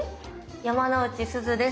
山之内すずです。